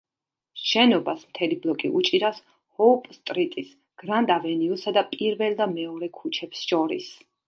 შენობას მთელი ბლოკი უჭირავს ჰოუპ სტრიტის, გრანდ ავენიუსა და პირველ და მეორე ქუჩებს შორის.